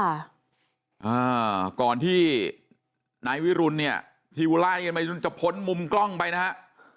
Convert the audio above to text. อ่าก่อนที่นายวิรุณเนี่ยทิวไล่กันไปจะพ้นมุมกล้องไปนะฮะ